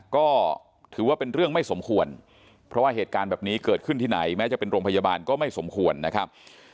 ขึ้นที่ไหนแม้จะเป็นโรงพยาบาลก็ไม่สมควรนะครับ